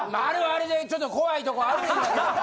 あれはあれでちょっと怖いとこあるんやけどな。